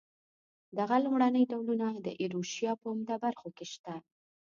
دغه لومړني ډولونه د ایروشیا په عمده برخو کې شته.